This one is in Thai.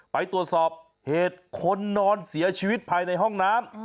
ไปตรวจสอบเหตุคนนอนเสียชีวิตภายในห้องน้ำ